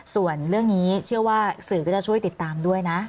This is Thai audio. ส่วนเรื่องนี้เชื่อว่าสื่อก็จะช่วยติดตามด้วยนะ